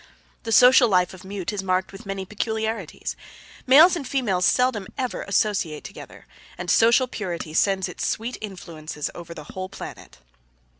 The social life of Mute is marked with many peculiarities. Males and females seldom ever associate together, and social purity sends its sweet influences over the whole planet.